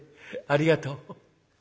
ありがとう」。